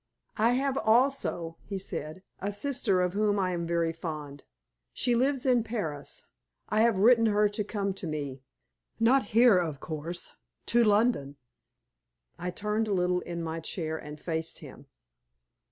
"I have also," he said, "a sister of whom I am very fond. She lives in Paris. I have written to her to come to me not here, of course, to London." I turned a little in my chair and faced him.